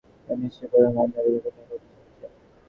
সে নিশ্চয়ই কয়েন ভান্ডারের ঘটনাটার কথা শুনেছে।